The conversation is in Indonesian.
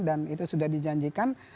dan itu sudah dijanjikan